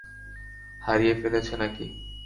হারিয়ে ফেলেছ নাকি?